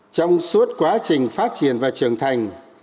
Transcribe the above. trong suốt quá trình phát triển và trưởng thành